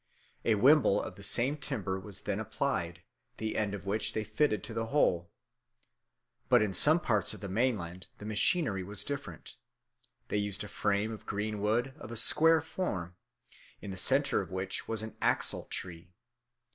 A wimble of the same timber was then applied, the end of which they fitted to the hole. But in some parts of the mainland the machinery was different. They used a frame of green wood, of a square form, in the centre of which was an axle tree.